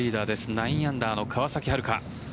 ９アンダーの川崎春花。